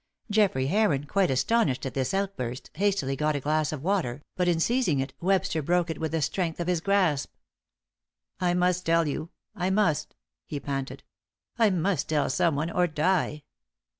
Geoffrey Heron, quite astonished at this outburst, hastily got a glass of water, but in seizing it, Webster broke it with the strength of his grasp. "I must tell you I must!" he panted. "I must tell someone, or die.